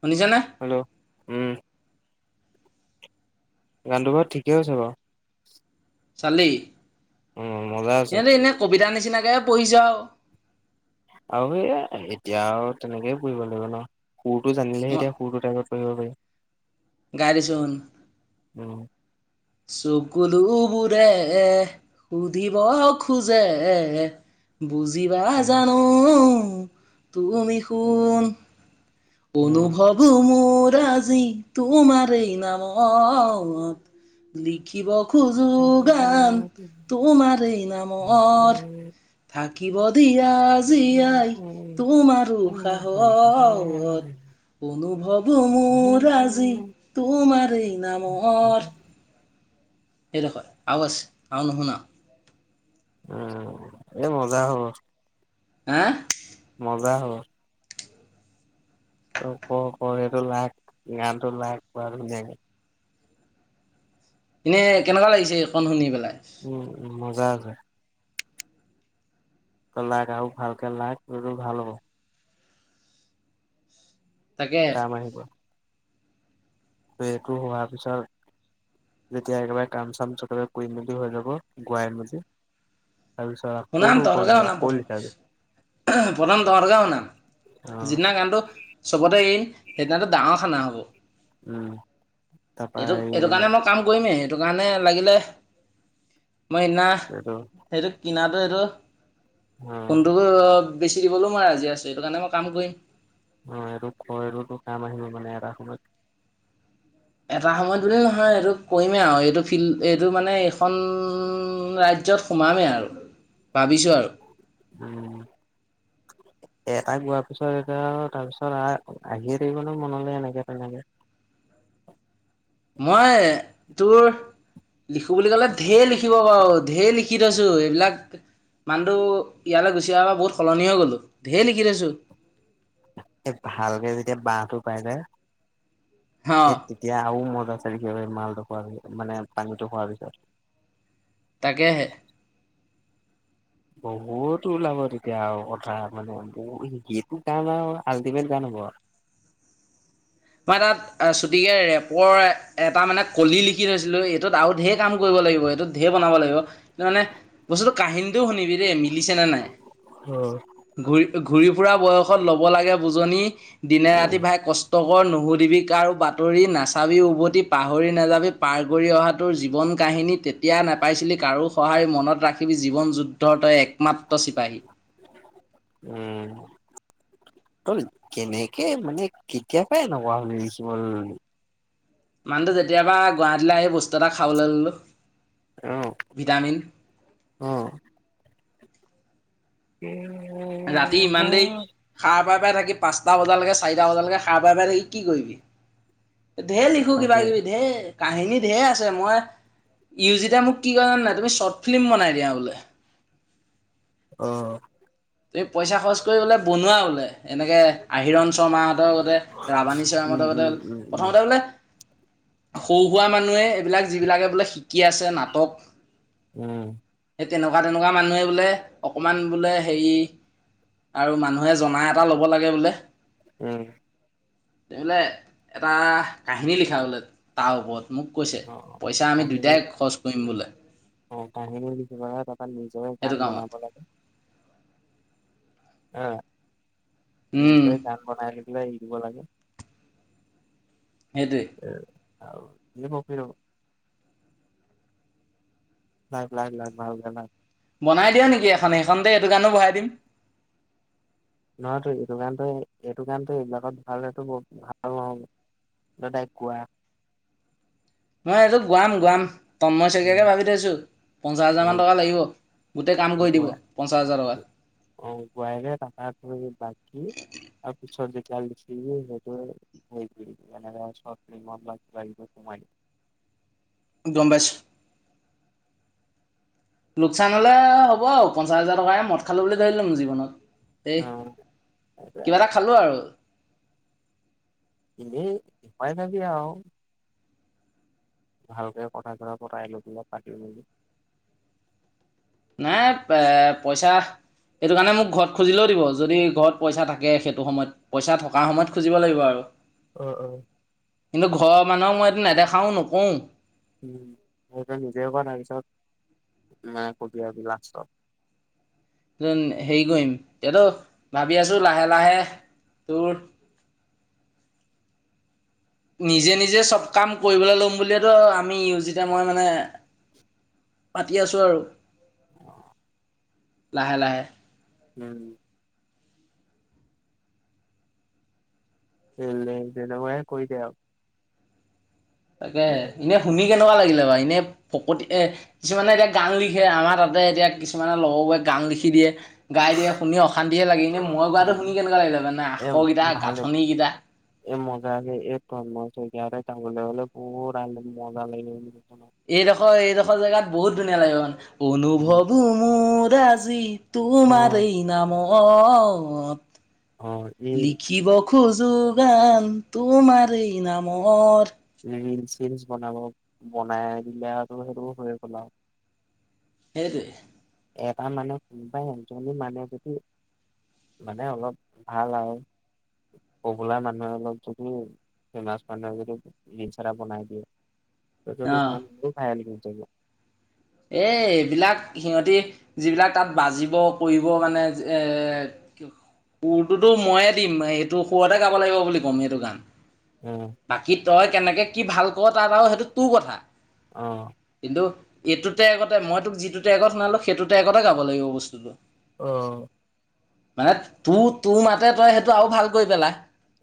শুনিছানে হেল্ল' উম গানটো বু ঠিকেই আ হৈছে বাৰু চালি উম মজা আছে সিহঁতে এনে কবিতা নিচিনাকে পঢ়ি যাওঁ আৰু সেই এতিয়া আৰু তেনেকেই পুহিব লাগিব ন সুৰটো জানিলে মই এতিয়া সুৰটোৰ আগত হৈ গলে গাই দেচোন উম চকুলো বোৰে সুধিব খোজে বুজিবা উম জানো তুমি সোন উম অনুভৱ মোৰ আজি তোমাৰে নাম লিখিব খোজো গান তোমাৰেই নামৰ থাকিব দিয়া জীয়াই তোমাৰ উশাহত অনুভৱো মোৰ আজি উম তোমাৰেই নামত সেইদখই আও আছে আও নোহোনাও উম এ মজা হ হা মজা হ'ব তই ক ক এইটো লাইক গানটো লাইক কৰা ধুনীয়াকে এনে কেনেকুৱা লাগিছে এইকণ শুনি পেলাই উম উ মজা জা আছে তই লাগ আও ভালকে লাগ এইবোৰ ভাল হ'ব তাকে কাম আহিব ত এইটো হোৱাৰ পিছত যেতিয়া একেবাৰে কাম চাম চবেবে কৰি মেলি হৈ যাব গোৱাই মেলি তাৰপিছত শুনাম আকৌ কণ তহঁতকে যাবা শুনাম আকৌ প্ৰথম, লিখাবি প্ৰথম তহঁতকে শুনাম অ যিদিনা গানটো চবতে এৰিম সেইদিনাটো ডাঙৰ খানা হ'ব। উম তাৰপা এইটো, এইটো হেৰি নে কাৰণে মই কাম কৰিমেই সেইটো কাৰণে লাগিলে মই সিদিনা এইটো সেইটো [unintelligible] অ কোনটো বেছি দিবলৈও মই আজি আছো সেইটো কাৰণে মই কাম কৰিম অ এই খো কাম আহিল মানে এৰা সময়ত এটা সময়ত বুলি নহয় এইটো কৰিমেই আৰু এইটো ফিল্ এইটো মানে এইখন ৰাজ্যত সোমামেই আৰু ভাবিছো আৰু। উম এটা গোৱাৰ পিছত এতিয়া তাৰ পিছত আহ আহিয়ে থাকিব ন মনলৈ এনেকে তেনেকে। মই তোৰ লিখো বুলি ক'লে ঢেৰ লিখো। কি কবা আৰু ধে লিখি লিখি থৈছোঁ এইবিলাক মানুহটো ইয়ালৈ গুচি আহাৰ পৰা বহুত সলনি হৈ গ'লোঁ, ঢেৰ লিখি থৈছোঁ। এ ভালকে যেতিয়া বাহটো পাই নে? এ অ' তেতিয়া আৰু ম [unintelligible] মালটো খোৱা মানে পানীটো খোৱাৰ পিছত। তাকেহে। বহুত ওলাব তেতিয়া আৰু কথা মানে, এইটো কাৰণে মানে আল্টিমেট গান হ'ব আৰু। মই তাত চুটিকে ৰেপৰ এটা মানে কলি লিখি থৈছিলো, এইটোত আৰু ঢেৰ কাম কৰিব লাগিব, এইটোত ঢেৰ বনাব লাগিব কিন্তু মানে বস্তুটো কাহিনীটোও শুনিবি ৰে মিলিছে নে নাই, আৰু ঘূৰি ঘূৰি ফুৰা বয়সত ল'ব লাগে, বুজনি। দিনে উম ৰাতি ভাই কছ ষ্ট নুশুধিবি কাৰো বাতৰি নাচাবি উভতি পাহৰি নাযাবি পাৰ কৰি অহা তোৰ জীৱন কাহিনী তেতিয়া নোপাইছিলি কাৰো সহায় মনত ৰাখিবি জীৱন যুদ্ধৰ তই এক মাত্ৰ চিপাহী। উম তই, কেনেকে মানে কেতিয়াৰ পা এনেকোৱা হলি লিখিবলৈ ললি? মানুহটো যেতিয়াৰ পৰা গুৱাহাটীলৈ আহি বস্তু এটা খাবলৈ ললো। অ', ভিটামিন। অ'। [unintelligible] ৰাতি ইমান দেৰি সা সাৰপাই থাকি পাঁচটা বজালৈকে চাৰিটা বজালৈকে সাৰপাই থাকি কি কৰিবি? ঢেৰ লিখোঁ কিবা তাকে কিবি ঢেৰ। কাহিনী ঢেৰ আছে, মই ইউজিতে মোক কি কই জানা নে, তুমি শ্বৰ্ট ফিল্ম বনাই দিয়া বোলে। অ', এই পইচা খৰচ কৰি বোলে বনোৱা বোলে এনেকে আহিৰণ শৰ্মাহঁতৰ লগতে ৰাৱাণী উম, সৈয়ামহতৰ উম, লগতে উম, উম, প্ৰথমতে বোলে সৰু সুৰা মানুহে এইবিলাক যিবিলাকে বোলে শিকি আছে নাটক উম। সেই তেনেকুৱা তেনেকুৱা মানুহে বোলে অকণমান বোলে হেৰি আৰু মানুহে জনা এটা ল'ব লাগে বোলে। উম তেতিয়াহলে এটা কাহিনী লিখা বোলে তাৰ ওপৰত। মোক কৈছে অ'। পইচা আমি দুয়োটাই খৰচ কৰিম বোলে। অঁ, কাহিনী ইমান এটা নিজৰে সেইটো গান কামত বনাই বনাই অঁ। উম নিজৰে গান বনাই লৈ লৈ দি দিব লাগে। এইটো আৰু দিব ফ ল লাই লাই ভাল লাই বনাই দিয়া নেকি এখন সেইখন দ এইটো কাৰণো বহাই দিম নহয়তো এইটো গণটো এইটো গানটো এইবিলাকত ভালটো ভাল নহ তাইক কোৱা মই এইযোৰ গোৱাম গোৱাম তন্ মই শইকীয়াকে উম, ভাবি থৈছোঁ পঞ্চাছ হাজাৰমানান অ', টকা লাগিব গোটেই কাম কৰি দিব গোৱা পঞ্চাছ হাজাৰ টকা অ গোৱাইৰে তাৰপা তুমি বাকী আৰু [unintelligible] গমপাইছো লোকচান হ'লে হ'ব আৰু পঞ্চাছ হাজাৰ টকেৰে মদ খালো বুলি ধৰি লম জীৱনত এ অ কিবা এনেই এটা খালো আৰু এনে ই [unintelligible] ভালকে কথা চৰা পটাইলবি পাতি বি নাই এ পইচা এইেইটো কাৰণে মোক ঘৰত খুজিলেও দিব যদি ঘৰত পইচা থাকে সেইটো সময়ত পইচা থকা সময়ত খুজিব লাগিব আৰু উ উ কিন্তু ঘৰৰ মানুহক মইটো নেদেখাও নকোওঁ উ স নিজে ক তাৰপিছত মানে কবি আৰুি লাষ্টত হেৰি কৰিম এয়াতো ভাবি আছো লাহে লাহে তোৰ নিজে নিজে চব কাম কৰিবলৈ ল'ম বুলিয়েতো আমি ইউজিতে মই মানে পাতি আছোঁ আৰু লাহে লাহে উম [unintelligible] তাকে এনে শুনি কেনেকুৱা লাগিলে বাৰু এনে ফকতি এ কিছুমানে এতিয়া গান লিখে আমাৰ তাতে এতিয়া কিছুমানে লগৰবোৰে গান লিখি দিয়ে গাই দিয়ে শুনি অশান্তিহে লাগি ননে মই গোৱাটো শুনি কেনেকুৱা লাগি য মানে এ আখৰকেইটা ভাল লাগিব। গাঁঠনি কেইটা এই মজা যে এই [unintelligible] এই ৰখ এই ৰখ জেগাত বহুত ধনীয়া লাগে ম উম। অনুভৱো মোৰ ৰাজজি অ তোমাৰ এই নামত অ অ ই লিখিব খোজো গান তোমাৰ এই নামৰ ৰিল চলচ বনাব বনাই দিলে আৰুটো সেইটো হৈ গ'ল আৰু সেইটোৱে। এটা মানুহ কোনোবাই এজনী মানুহে যদি মানে অলপ ভাল হয় পপুলাৰ মানুহে অলপ যদি ফেমাচ মানুহে যদি জীছ এটা বনাই দিয়ে ত অ ত খাই যাব এ এইবিলাক সিহঁতি যিবিলাক তাত বাজিব কৰিব মানে এ সুৰটোতো ময়ে দিম এইটো সুৰতে গাব লাগিব বুলি ক'ম এইটো গান। উম বাকী তই কেনেকে কি ভাল ক তাত আৰু সেইটো তোৰ কথা। অ কিন্তু এইটো টেগতে মই তোক যিটো টেগত শনালো সেইটো টেগতে গাব লাগিব বস্তুটো অ মানে তোৰ তোৰ মাতে তই সেইটো আৰু ভাল কৰি পেলা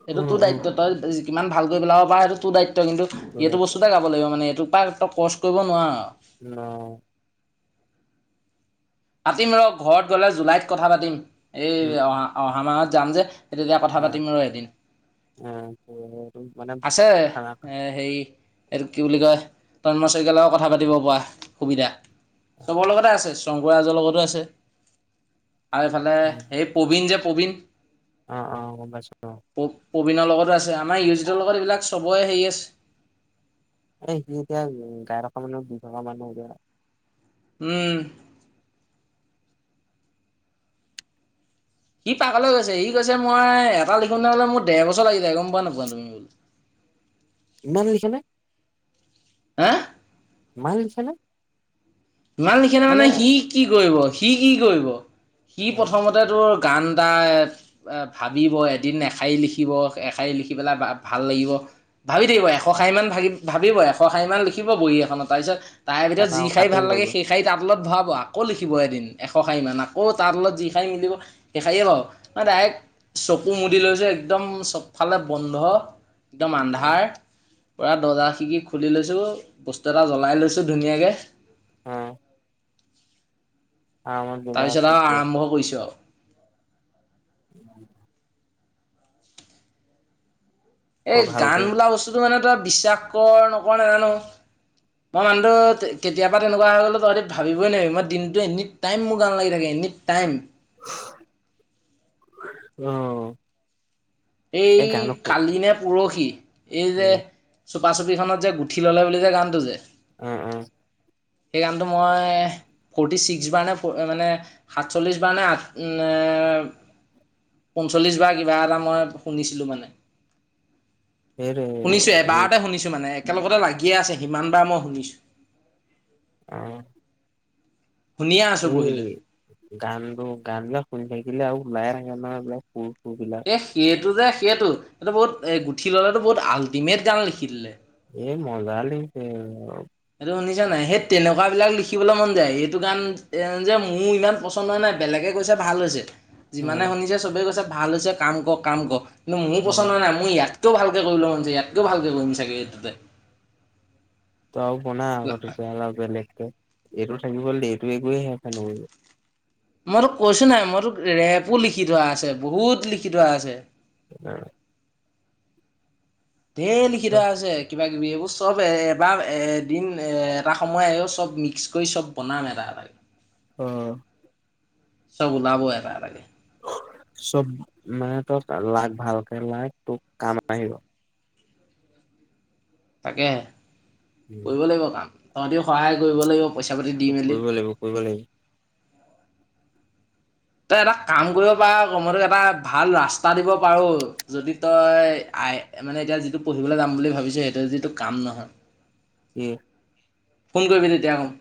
এইটো উম তোৰ উম দায়িত্ব তই কিমান ভালৈ পেলাব পৰা সেটো তোৰ দায়িত্ব কিন্তু এইটো বস্তুতে গাব লাগিব মানে এইটো কাক ত কচ কৰিব নোৱাৰো আৰু অ পাতিম ৰ ঘৰত গ'লে জুলাইত কথা পাতিম। এই অহ অহামত যাম যে সেইতেতিয়া কথা পাতিম আৰু এদিন মানে আছে খানা এ হে এইটো কি বুলি কয় তন্ম্ৰ চইকালাৰও কথা পাতিব পৰা সুবিধা চব লগতে আছে। বজৰ লগতো আছে। আৰু এইফালে উম, সেই প্ৰবীণ যে' প্ৰবীণ অ অ বছ প্ৰবীণৰ লগতো আছে আমাৰ ইউ জিডৰ লগত এইবিলাক চবৰে হেৰি আছে। এ সি এতিয়া গাই টকা মানৰ দুই টকা মান হয় যায়। উম সি পাকলৈ গৈছে সি কৈছে মই এটা লিখোতে বোলে মোৰ ডেৰ বছৰ লাগি যায় গম পোৱা নোপোৱা তুমি বোলে ইমান লিখেনে? হা। ইমান লিখেনে? ইমান লিখি নহ'লে মানে সি কি কৰিব। সি কি কৰিব? সি প্ৰথমতে তোৰ গান এটা এ, ভাবিব এদিন এশাৰী লিখিব এশাৰী লিখি পেলাই বা-ভাল লাগিব। ভাবি থাকিব এশশাৰী মান ভা-ভাবিব এশশাৰী মান লিখিব বহী এখনত তাৰপিছত তাৰে ভিতৰত তাৰপা যি আকৌ ষাৰি কাটিং ভাল লাগে কৰিব টাবুলত ভৰাব আকৌ লিখিব এদিন এশ শাৰীমান আকৌ তাঁ তলত যি খাইহ মিলিব সেই শাৰীয়ে বাৰু। অ, ডাইৰেক্ট চকু মুদি লৈছে একদম চবফালে বন্ধ। একদম অ আন্ধাৰ। পুৰা দৰ্জা শিকি খুলি লৈছোঁ, বস্তু এটা জ্বলাই লৈছোঁ ধুনীয়াকে। অ'। আৰামত বিন্দাছ তাৰপিছত আৰু এতিয়া আৰম্ভ কৰিছোঁ আৰু। এই ক গান ভালকে বোলা বস্তুটো মানে তই বিশ্বাস কৰ নকৰ নাজানো। মই মানুহটো তে কেতিয়াবা তেনেকুৱা হৈ গ'লো তহঁতি ভাবিবই নোৱাৰিবি। মই দিনটো এনি টাইম মোৰ গান লাগি থাকে, এনি টাইম। অ'। এই গান উম কালি নে পৰ কি? এই যে চোপা চুপিখনত যে গুঠি ল'লে বুলিযে গানটো যে। উম, উম। সেই গানটো মই এ, ফৰ্টি ছিক্স বাৰ নে ফ, মানে সাতচল্লিছ বাৰ নে আঠ নে পঞ্চল্লিছ বাৰ কিবা এটা মই শুনিছিলোঁ মানে। শুনিছে সেইটোৱে এবাৰতে শুনিছোঁ মানে। কেনেকুৱাতো লাগিয়ে আছে সিমানবাৰ মই শুনিছোঁ। অ'। শুনিয়ে আছোঁ এই বহি লৈ। গানটো, গানবিলাক শুনি থাকি শুনিলে আৰু ওলাই থাকে নহয় এইবিলাক চুৰ বিলাক এ, সেই সেইটো যে সেইটো এইটো বহুত এ, গুঠি ল'লেতো বহুত আল্টিমেট গান লিখি দিলে। এ, মজা লিখিছে আৰু। সেইটো শুনিছনে নাই সেই তেনেকুৱাবিলাক লিখিবলৈ মন যায়। এইটো গান যে মোৰ ইমান পছন্দ হয় নাই, বেলেগে কৈছে ভাল হৈছে। যিমানে উম শুনিছে চবে কৈছে ভাল হৈছে কাম কৰ কাম কৰ। কিন্তু মোৰ উম পছন্দ হোৱা নাই, মোৰ ইয়াত কৈও ভালকে কৰিবলৈ মন যায় ইয়াতকৈও ভালকৈ কৰিম চাগে এইটোতে। তই বনা আকৌ তেতিয়াৰ হ'লে আৰু বেলেগ এইটো থাকিব ' দে এইটো একোয়ে হেৰ [unintelligible] মই তোক কৈছো নাই মই তোক ৰেপো লিখি থোৱা আছে বহুত লিখি থোৱা আছে [unintelligible] ধেইৰ লিখি থোৱা আছে কিবা এইবোৰ চব এবাৰ এদিন এটা সময় আহিব চব মিক্স কৰি চব বনাম এটা এটাকৈ অ চব ওলাবই এটা এটাকে চব মাহেকত লাগ ভালকে লাগ তোক কাম আহিব তাকে কৰিব লাগিব কাম তহঁতিও সহায় কৰিব লাগিব পইচা পাতি দি মেলি কৰিব লাগিব কৰিব লাগিব তই এটা কাম কৰিব পাৰ কমতে মই তোক এটা ভাল ৰাস্তা দিব পাৰো যদি তই আই মানে এতিয়া যিটো পঢ়িবলৈ যাম বুলি ভাবিছ সেইটো যিটো কাম নহয় কি ফোন কৰিবি তেতিয়াকৌ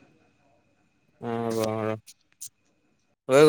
ওম হব ৰ